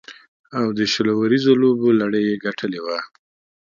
او د شل اوریزو لوبو لړۍ یې ګټلې وه.